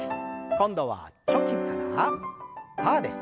今度はチョキからパーです。